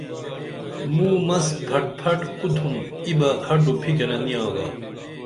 موں مس فٹ فٹ کُتُھم ای بہ ہڈو فِکِرہ نی آگا